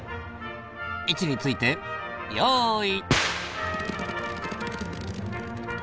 位置についてよい。